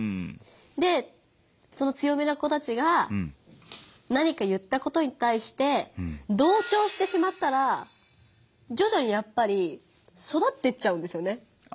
でその強めな子たちが何か言ったことに対して同調してしまったらじょじょにやっぱりそだってっちゃうんですよね